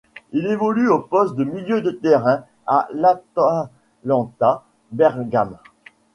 Il évolue au poste de milieu de terrain à l'Atalanta Bergame.